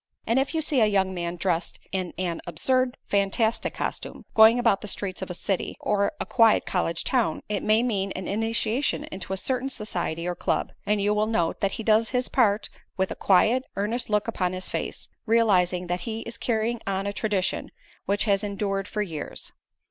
And if you see a young man dressed in an absurd fantastic costume, going about the streets of a city, or a quiet college town, it may mean an initiation into a certain society or club, and you will note that he does his part with a quiet, earnest look upon his face, realizing that he is carrying on a tradition which has endured for years.